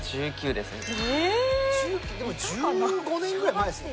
でも１５年くらい前ですよね。